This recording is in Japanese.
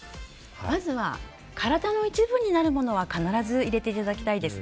まず、体の一部になるものは必ず入れていただきたいです。